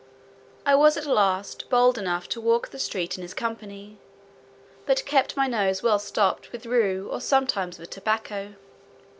I was at last bold enough to walk the street in his company, but kept my nose well stopped with rue, or sometimes with tobacco.